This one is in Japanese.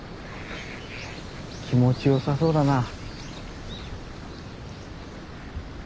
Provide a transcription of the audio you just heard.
気持ちよさそうだなあ。